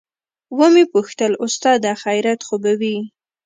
ومې پوښتل استاده خيريت خو به وي.